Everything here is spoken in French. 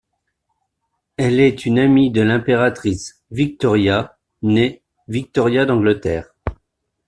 Elle est une amie de l'impératrice Victoria, née Victoria d'Angleterre.